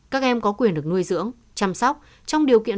các em có quyền được nuôi dưỡng chăm sóc